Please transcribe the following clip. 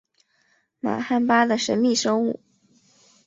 玛罕巴的神秘生物。